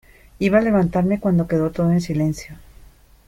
iba a levantarme cuando quedó todo en silencio.